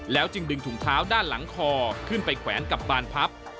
จึงดึงถุงเท้าด้านหลังคอขึ้นไปแขวนกับบานพับ